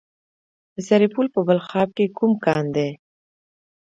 د سرپل په بلخاب کې کوم کان دی؟